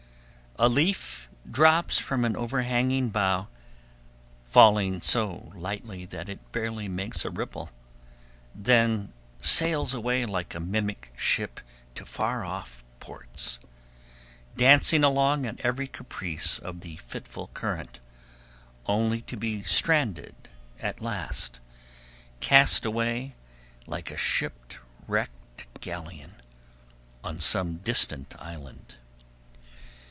A leaf drops from an overhanging bough, falling so lightly that it barely makes a ripple, then sails away like a mimic ship to far off ports, dancing along at every caprice of the fitful current; only to be stranded at last, cast away like a shipwrecked galleon, on some distant island.